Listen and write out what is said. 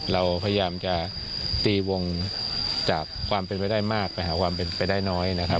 เราพยายามจะตีวงจากความเป็นไปได้มากไปหาความเป็นไปได้น้อยนะครับ